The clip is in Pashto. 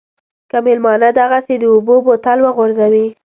که مېلمانه دغسې د اوبو بوتل وغورځوي.